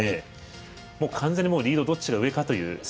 完全にリードがどっちが上かという。